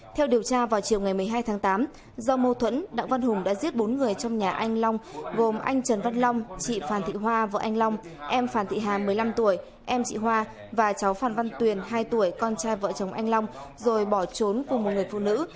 theo điều tra vào chiều ngày một mươi hai tháng tám do mâu thuẫn đặng văn hùng đã giết bốn người trong nhà anh long gồm anh trần văn long chị phan thị hoa vợ anh long em phan thị hà một mươi năm tuổi em chị hoa và cháu phan văn tuyền hai tuổi con trai vợ chồng anh long rồi bỏ trốn cùng một người phụ nữ